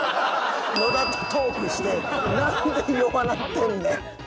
野田とトークしてなんで弱なってんねん！